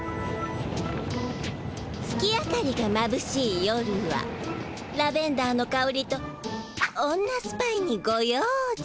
月明かりがまぶしい夜はラベンダーのかおりと女スパイにご用心。